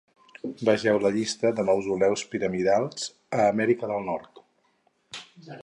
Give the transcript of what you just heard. Vegeu la llista de mausoleus piramidals a Amèrica del Nord.